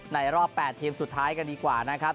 รอบ๘ทีมสุดท้ายกันดีกว่านะครับ